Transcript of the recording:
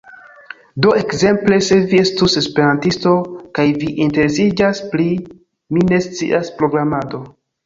Do ekzemple, se vi estus esperantisto kaj vi interesiĝas pri, mi ne scias, programado